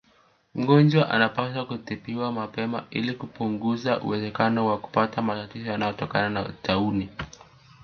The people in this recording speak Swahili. Mgonjwa anapaswa kutibiwa mapema ili kupunguza uwezekano wa kupata matatizo yanayotokana na taunii